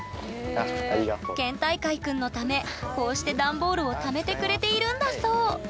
県大会くんのためこうしてダンボールをためてくれているんだそう！